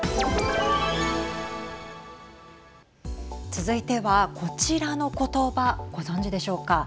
続いてはこちらの言葉ご存じでしょうか。